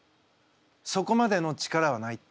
そこまでの力はないって。